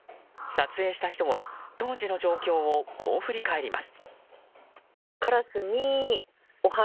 撮影した人は当時の状況をこう振り返ります。